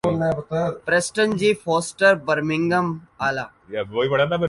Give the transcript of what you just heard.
Preston G Foster Birmingham الا